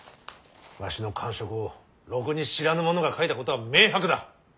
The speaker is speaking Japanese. わしの官職をろくに知らぬ者が書いたことは明白だ。